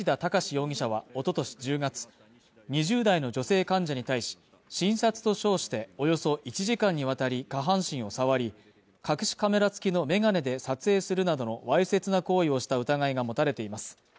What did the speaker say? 容疑者は、一昨年１０月２０代の女性患者に対し、診察と称して、およそ１時間にわたり下半身を触り、隠しカメラ付きの眼鏡で撮影するなどのわいせつな行為をした疑いが持たれています。